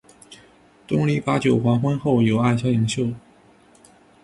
东篱把酒黄昏后，有暗香盈袖